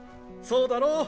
そうだろ？